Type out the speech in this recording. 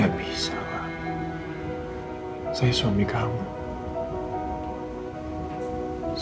kau benerin selalu minta lakuin